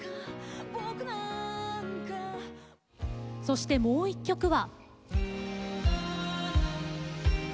そしてもう１曲は。